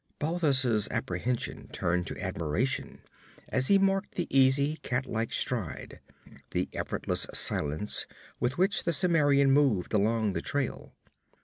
Balthus' apprehension turned to admiration as he marked the easy cat like stride, the effortless silence with which the Cimmerian moved along the trail.